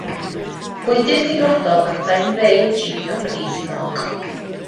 Gwleidydd Ceidwadol adain dde yw Jacob Rees-Mogg.